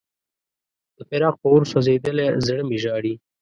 د فراق په اور سوځېدلی زړه مې ژاړي.